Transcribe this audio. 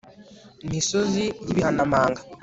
misozi y'ibihanamanga